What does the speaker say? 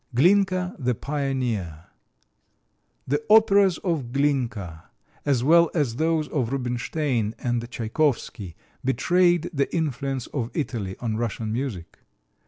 Glinka, the Pioneer The operas of Glinka, as well as those of Rubinstein and Tchaikovsky, betrayed the influence of Italy on Russian music.